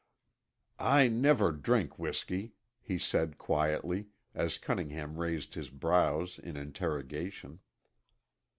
"I never drink whisky," he said quietly, as Cunningham raised his brows in interrogation.